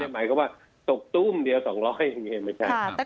หมายความว่าตกตู้มเดียว๒๐๐อย่างงี้